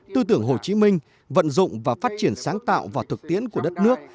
tư tưởng hồ chí minh vận dụng và phát triển sáng tạo vào thực tiễn của đất nước